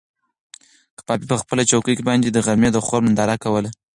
کبابي په خپله چوکۍ باندې د غرمې د خوب ننداره کوله.